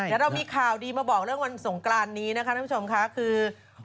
แล้วเรามีข่าวดีมาบอกเรื่องวันสงกรรณ์นี้นะคะคือ